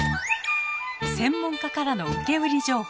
専門家からの受け売り情報。